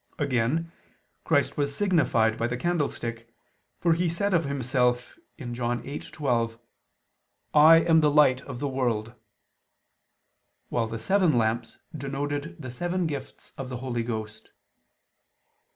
Again, Christ was signified by the candlestick, for He said Himself (John 8:12): "I am the Light of the world"; while the seven lamps denoted the seven gifts of the Holy Ghost.